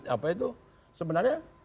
apa itu sebenarnya